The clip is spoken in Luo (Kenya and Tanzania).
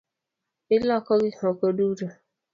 Iloko gikmoko duto?